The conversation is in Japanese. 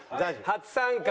初参加。